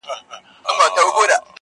زما پر سونډو یو غزل عاشقانه یې،